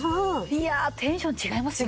いやあテンション違いますよね。